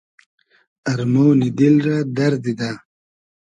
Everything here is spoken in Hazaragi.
ارمۉنی دیل رۂ دئر دیدۂ